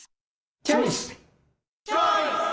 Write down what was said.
チョイス！